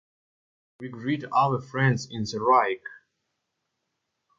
We greet our friends in the Reich.